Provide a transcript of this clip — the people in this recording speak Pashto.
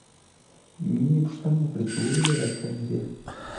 مینې پوښتنه وکړه چې ولې لېوالتیا لرې